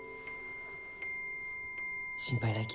心配ないき。